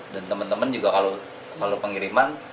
dan teman teman juga kalau pengiriman